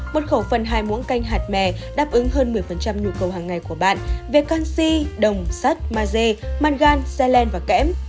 một khẩu phần hai muỗng canh hạt me đáp ứng hơn một mươi nhu cầu hằng ngày của bạn về canxi đồng sắt maze mangan selen và kẽm